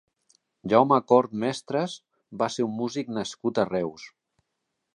Jaume Cort Mestres va ser un músic nascut a Reus.